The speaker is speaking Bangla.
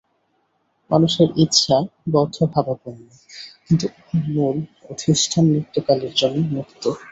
মানুষের ইচ্ছা বদ্ধভাবাপন্ন, কিন্তু উহার মূল অধিষ্ঠান নিত্যকালের জন্য মুক্ত।